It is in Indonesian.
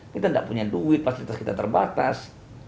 kita tidak punya duit fasilitas kita terbatas